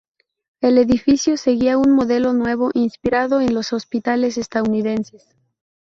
El edificio seguía un modelo nuevo, inspirado en los hospitales estadounidenses.